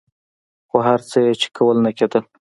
خو هر څه یې چې کول نه کېدل.